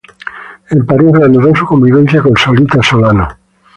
En París reanudó su convivencia con Solita Solano.